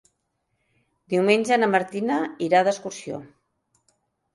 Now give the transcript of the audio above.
Diumenge na Martina irà d'excursió.